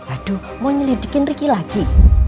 aduh mau nyelidikin ricky lagi